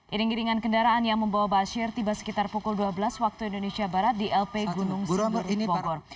iring iringan kendaraan yang membawa bashir tiba sekitar pukul dua belas waktu indonesia barat di lp gunung sindur bogor